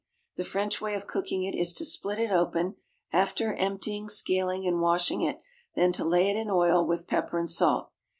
The French way of cooking it is to split it open, after emptying, scaling, and washing it, then to lay it in oil, with pepper and salt.